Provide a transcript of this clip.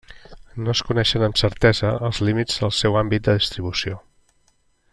No es coneixen amb certesa els límits del seu àmbit de distribució.